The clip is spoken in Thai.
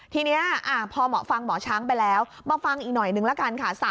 ทีนี้พอฟังหมอช้างไปแล้วมาฟังอีกหน่อยนึงละกันค่ะ